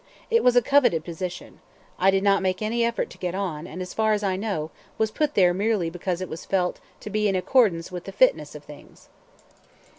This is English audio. It was a coveted position. I did not make any effort to get on, and, as far as I know, was put there merely because it was felt to be in accordance with the fitness of things.